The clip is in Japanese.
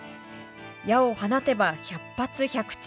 矢を放てば百発百中。